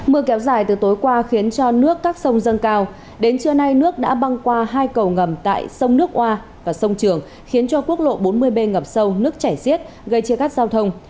mưa kéo dài từ tối qua khiến cho nước các sông dâng cao đến trưa nay nước đã băng qua hai cầu ngầm tại sông nước hoa và sông trường khiến cho quốc lộ bốn mươi b ngập sâu nước chảy xiết gây chia cắt giao thông